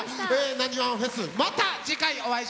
「なにわんＦＥＳ」また次回お会いしましょう。